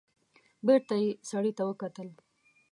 بېرته يې سړي ته وکتل.